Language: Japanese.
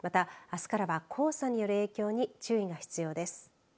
また、あすからは黄砂による影響に注意が必要です。